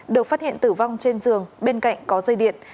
được phát hiện tử vong trên giường bên cạnh có dây điện